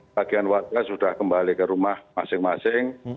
bagian warga sudah kembali ke rumah masing masing